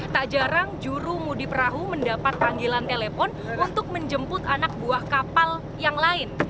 tak jarang juru mudi perahu mendapat panggilan telepon untuk menjemput anak buah kapal yang lain